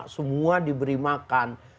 semua diberi makan